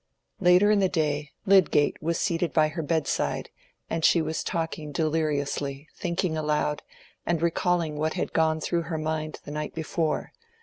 Later in the day, Lydgate was seated by her bedside, and she was talking deliriously, thinking aloud, and recalling what had gone through her mind the night before.